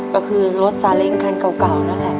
ก็คือรถซาเล้งคันเก่านั่นแหละ